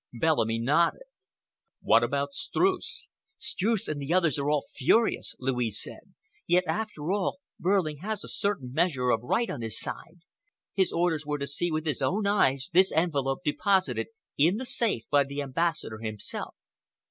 Bellamy nodded. "What about Streuss?" "Streuss and the others are all furious," Louise said. "Yet, after all, Behrling has a certain measure of right on his side. His orders were to see with his own eyes this envelope deposited in the safe by the Ambassador himself."